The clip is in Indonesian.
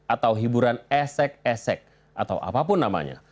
atau hiburan esek esek atau apapun namanya